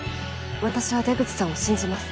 私は出口さんを信じます。